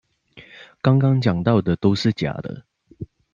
剛剛講到的都是假的